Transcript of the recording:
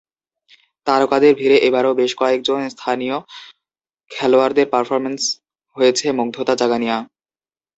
তারকাদের ভিড়ে এবারও বেশ কয়েকজন স্থানীয় খেলোয়াড়ের পারফরম্যান্স হয়েছে মুগ্ধতা জাগানিয়া।